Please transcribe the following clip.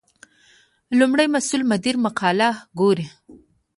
لومړی مسؤل مدیر مقاله ګوري.